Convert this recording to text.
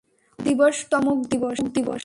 অমুক দিবস তমুক দিবস!